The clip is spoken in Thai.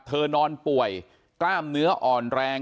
นอนป่วยกล้ามเนื้ออ่อนแรง